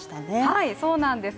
はい、そうなんです。